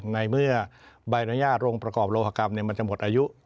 ในเมื่อใบอนุญาตโรงประกอบโลหกรรมมันจะหมดอายุ